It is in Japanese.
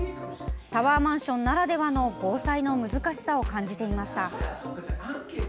タワーマンションならではの防災の難しさを感じていました。